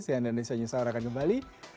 saya andan ndansya nyusahkan kembali